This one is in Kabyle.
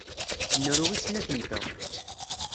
Nru i snat-nteɣ.